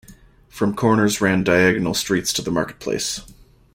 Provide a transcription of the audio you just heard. From corners ran diagonal streets to the marketplace.